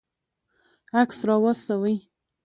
عکس راواستوئ